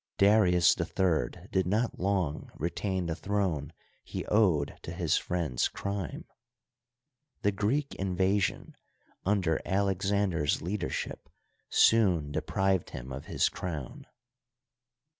Darius III did not long retain the throne he owed to his friend's crime. The Greek invasion, under Alexander's leadership, soon deprived him of his crown.